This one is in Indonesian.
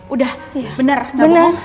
udah bener ga bohong